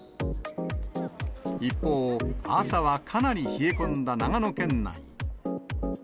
一方、朝はかなり冷え込んだ長野県内。